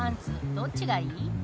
どっちがいい？」